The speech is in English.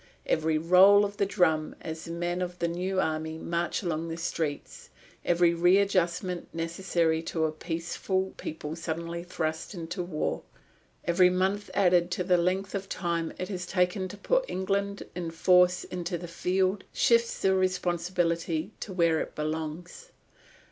Every roll of the drum as the men of the new army march along the streets, every readjustment necessary to a peaceful people suddenly thrust into war, every month added to the length of time it has taken to put England in force into the field, shifts the responsibility to where it belongs.